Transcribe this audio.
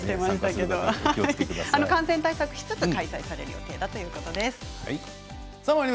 感染対策をしつつ開催される予定だということです。